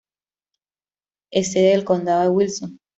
Es sede del condado de Wilson.